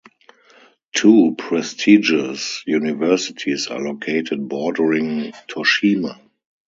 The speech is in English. Two prestigious universities are located bordering Toshima.